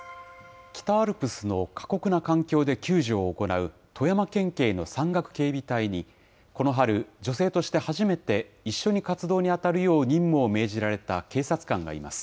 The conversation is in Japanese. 北アルプスの過酷な環境で救助を行う、富山県警の山岳警備隊に、この春、女性として初めて一緒に活動に当たるよう任務を命じられた警察官がいます。